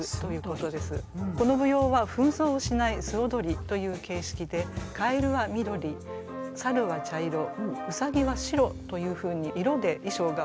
この舞踊は扮装をしない素踊りという形式で蛙は緑猿は茶色兎は白というふうに色で衣装が分かれております。